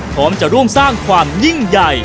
พร้อมจะร่วมสร้างความยิ่งใหญ่